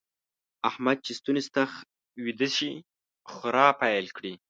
احمد چې ستونی ستخ ويده شي؛ خرا پيل کړي.